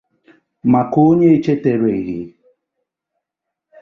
maka onye echetereghị